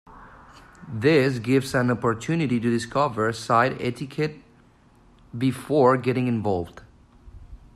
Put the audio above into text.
This gives an opportunity to discover site etiquette before getting involved.